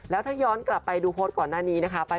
แล้วถ้าย้อนกลับไปดูโพสต์ก่อนหน้านี้นะคะ